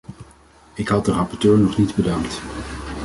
Ik had de rapporteur nog niet bedankt.